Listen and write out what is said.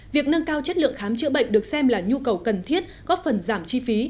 việc nâng cao chất lượng khám chữa bệnh được xem là nhu cầu cần thiết góp phần giảm chi phí